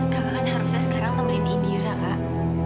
kakak kan harusnya sekarang temenin indira kak